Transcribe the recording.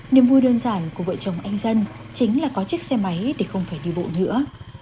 niềm vui đơn giản của vợ chồng anh dân chính là có chiếc xe máy để không phải đi bộ nữa